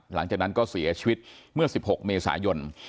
หลังจากนั้นก็เสียชีวิตเมื่อ๑๖เมษายน